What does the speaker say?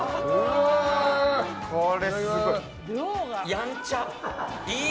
やんちゃ！